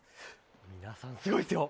皆さん、すごいですよ。